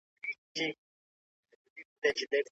موږ به د اوږده اتڼ لپاره ډوډۍ ونه راوړو.